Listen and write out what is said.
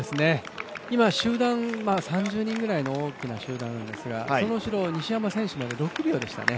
今、集団３０人ぐらいの大きい集団ですがその後ろ、西山選手まで６秒でしたね。